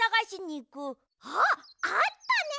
ああったね！